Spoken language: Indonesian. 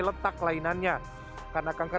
letak lainannya karena kanker